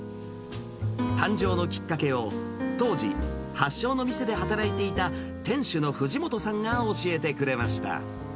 誕生のきっかけを、当時、発祥の店で働いていた、店主の藤本さんが教えてくれました。